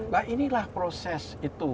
nah inilah proses itu